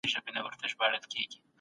د اړتیا په وخت کې درمل وپاشي.